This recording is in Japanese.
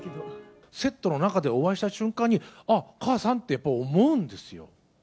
セットの中でお会いした瞬間に、あっ、母さんって、やっぱ思うんですよ。